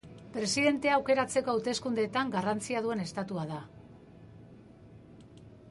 Presidentea aukeratzeko hauteskundeetan garrantzia duen estatua da.